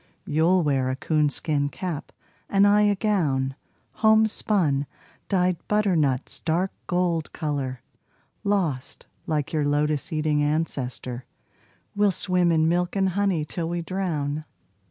You'll wear a coonskin cap, and I a gown Homespun, dyed butternut's dark gold color. Lost, like your lotus eating ancestor, We'll swim in milk and honey till we drown.